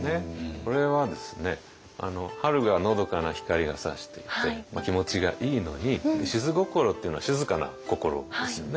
これはですね春がのどかな光がさしていて気持ちがいいのに「しづ心」っていうのは「静かな心」ですよね。